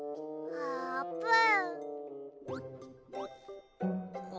あーぷん！